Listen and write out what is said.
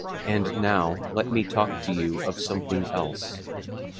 And now, let me talk to you of something else.